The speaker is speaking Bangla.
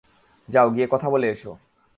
যাও, গিয়ে কথা বলে এসো।